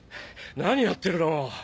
何やってるの！